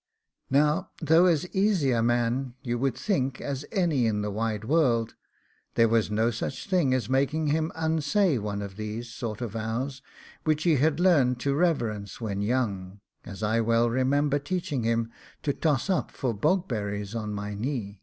Now, though as easy a man, you would think, as any in the wide world, there was no such thing as making him unsay one of these sort of vows, which he had learned to reverence when young, as I well remember teaching him to toss up for bog berries on my knee.